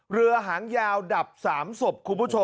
เรือหางยาวดับสามศพ